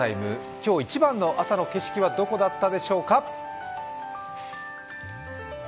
今日一番の朝の景色はどこだったでしょうか。